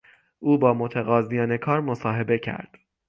او با متقاضیان کار مصاحبه کرد.